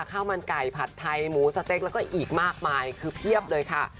ข้าวมันไก่ผัดไทยหมูสเต็กแล้วก็อีกมากมายคือเพียบเลยค่ะ